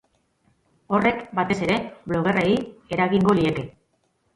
Horrek, batez ere, bloggerrei eragingo lieke.